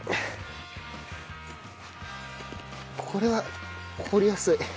これは掘りやすい。